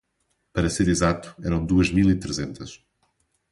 Para ser exato eram duas mil e trezentas.